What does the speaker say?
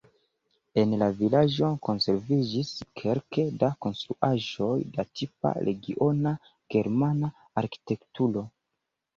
En la vilaĝo konserviĝis kelke da konstruaĵoj de tipa regiona germana arkitekturo.